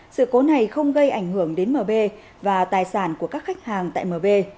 sự cố này không gây ảnh hưởng đến mb và tài sản của các khách hàng tại mb